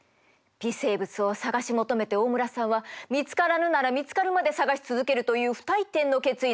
微生物を探し求めて大村さんは見つからぬなら見つかるまで探し続けるという不退転の決意の下